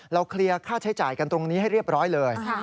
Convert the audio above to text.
เคลียร์ค่าใช้จ่ายกันตรงนี้ให้เรียบร้อยเลย